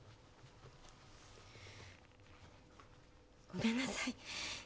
ごめんなさい。